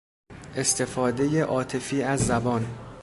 استفاده عاطفی از زبان